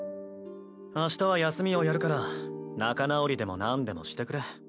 明日は休みをやるから仲直りでもなんでもしてくれ。